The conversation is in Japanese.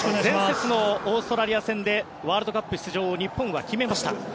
前節のオーストラリア戦でワールドカップを日本は決めました。